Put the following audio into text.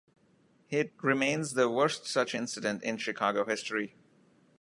It remains the worst such incident in Chicago history.